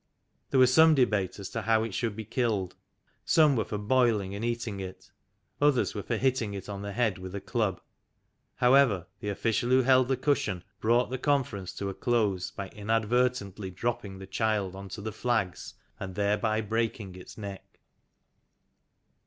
There was some debate as to how it should be killed. Some were for boiling and eating it ; others were for hitting it on the head with a club. However, the official who held the cushion brought the conference to a close by inadvertently dropping the child on to the flags, and thereby break ing its neck.